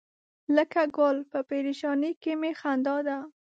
لکه ګل په پرېشانۍ کې می خندا ده.